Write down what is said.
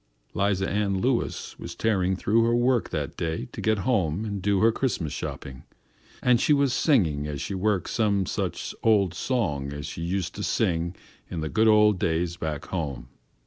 'Liza Ann Lewis was tearing through her work that day to get home and do her Christmas shopping, and she was singing as she worked some such old song as she used to sing in the good old days back home.